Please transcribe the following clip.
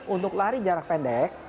untuk lari jarak pendek